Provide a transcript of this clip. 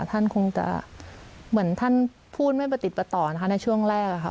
ท่านคงจะเหมือนท่านพูดไม่ประติดประต่อนะคะในช่วงแรกค่ะ